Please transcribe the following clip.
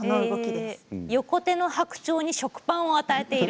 横手の白鳥に食パンを与えている。